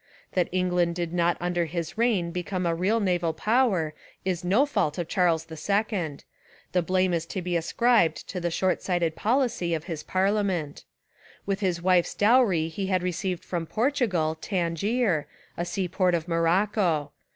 That England did not under his reign become a real naval power is no fault of Charles II : the blame is to be ascribed to the shortsighted policy of his par liament. With his wife's dowry he had re ceived from Portugal, Tangier, a seaport of Morocco.